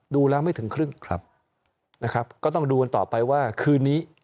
ดูแล้วไม่ถึงครึ่งก็ต้องดูกันต่อไปว่าคืนนี้